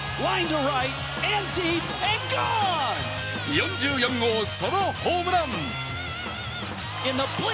４４号ソロホームラン。